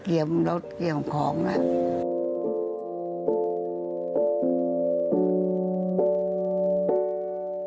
เกี่ยวรถเกี่ยวของแล้ว